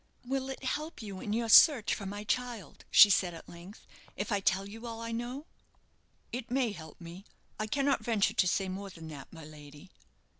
"Will it help you in your search for my child," she said, at length, "if I tell you all I know?" "It may help me. I cannot venture to say more than that, my lady."